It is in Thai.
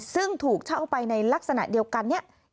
ซึ่งถูกเช่าไปในลักษณะเดียวกันเนี่ย